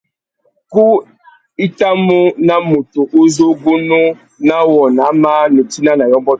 Ku i tà mú na mutu u zu ugunú na wô nà māh nitina na yôbôt.